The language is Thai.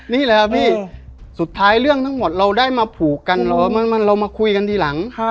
นี่แหละครับพี่สุดท้ายเรื่องทั้งหมดเราได้มาผูกกันเหรอเรามาคุยกันทีหลัง